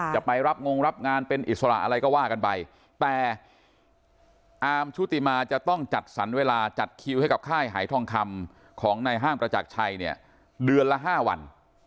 จะไปรับงงรับงานเป็นอิสระอะไรก็ว่ากันไปแต่อาร์มชุติมาจะต้องจัดสรรเวลาจัดคิวให้กับค่ายหายทองคำของในห้างประจักรชัยเนี่ยเดือนละ๕วัน